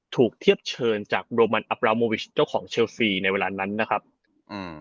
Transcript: เทียบเชิญจากโรมันอับราโมวิชเจ้าของเชลซีในเวลานั้นนะครับอืม